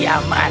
kau pria jahat